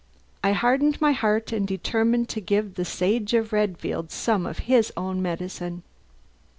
I hardened my heart and determined to give the Sage of Redfield some of his own medicine.